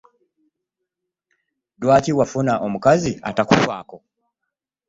Lwaki wafuna omukazi atakufaako?